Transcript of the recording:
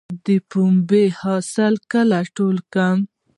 د پنبې حاصل کله ټول کړم؟